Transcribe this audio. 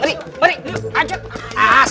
sebagus susah banget ini